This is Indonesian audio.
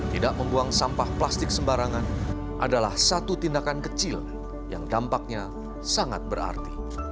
tidak membuang sampah plastik sembarangan adalah satu tindakan kecil yang dampaknya sangat berarti